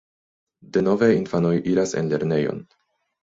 Denove infanoj iras en lernejon.